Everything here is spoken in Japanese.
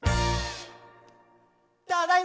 ただいま！